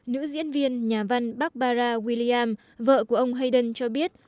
nữ diễn viên nhà văn barbara william vợ của ông hardern cho biết